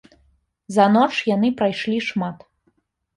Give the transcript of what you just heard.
За ноч яны прайшлі шмат.